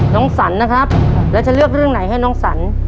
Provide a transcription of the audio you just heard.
สันนะครับแล้วจะเลือกเรื่องไหนให้น้องสัน